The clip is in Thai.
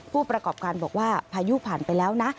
ผู้ประกอบการบอกว่าพายุผ่านไปแล้วนะ